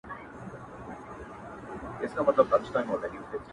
د ژوندون ساز كي ائينه جوړه كړي ـ